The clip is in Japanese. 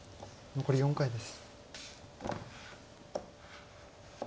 残り４回です。